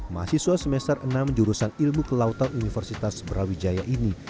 mahasiswa semester enam jurusan ilmu kelautan universitas brawijaya ini